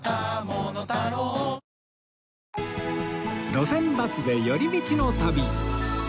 『路線バスで寄り道の旅』